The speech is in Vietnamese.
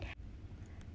đây là một phản ứng tốt nhất